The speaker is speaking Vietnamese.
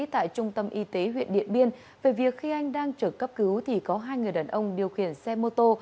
tại trung tâm y tế huyện điện biên về việc khi anh đang chở cấp cứu thì có hai người đàn ông điều khiển xe mô tô